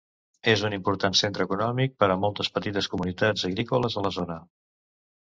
És un important centre econòmic per a moltes petites comunitats agrícoles a la zona.